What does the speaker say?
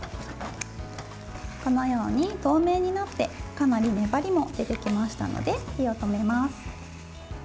このように透明になってかなり粘りも出てきましたので火を止めます。